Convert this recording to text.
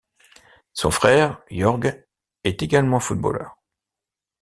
Son frère, Jorge, est également footballeur.